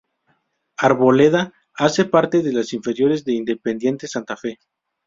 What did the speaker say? Arboleda hace parte de las inferiores de Independiente Santa Fe.